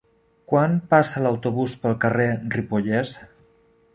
Quan passa l'autobús pel carrer Ripollès?